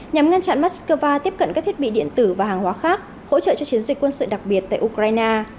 nhằm ngăn chặn moscow tiếp cận các thiết bị điện tử và hàng hóa khác hỗ trợ cho chiến dịch quân sự đặc biệt tại ukraine